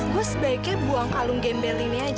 gue sebaiknya buang kalung gembel ini aja